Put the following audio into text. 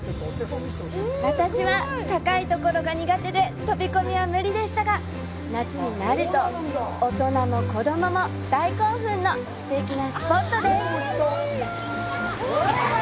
私は高いところが苦手で飛び込みは無理でしたが夏になると大人も子供も大興奮のすてきなスポットです。